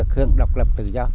khương độc lập tự do